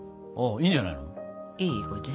いいんじゃないの？